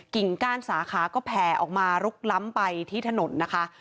ก้านสาขาก็แผ่ออกมาลุกล้ำไปที่ถนนนะคะ